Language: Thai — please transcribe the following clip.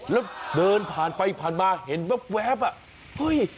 และเดินผ่านมาเห็นแบบอะเฮ้ย